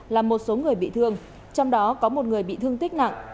làm một số người bị thương trong đó có một người bị thương tích nặng